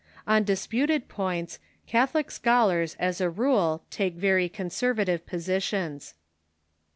On disputed points, Catholic scholars, as a rule, take very conservative positions.